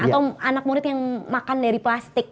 atau anak murid yang makan dari plastik